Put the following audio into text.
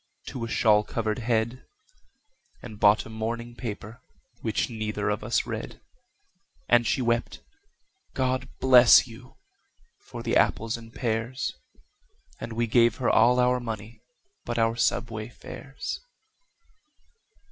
to a shawl covered head, And bought a morning paper, which neither of us read; And she wept, "God bless you!" for the apples and pears, And we gave her all our money but our subway fares.